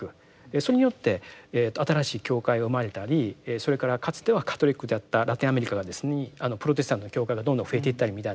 それによって新しい教会が生まれたりそれからかつてはカトリックであったラテンアメリカにプロテスタントの教会がどんどん増えていったりみたいなですね